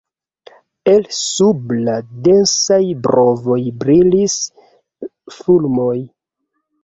El sub la densaj brovoj brilis fulmoj.